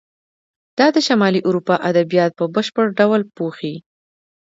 دا د شمالي اروپا ادبیات په بشپړ ډول پوښي.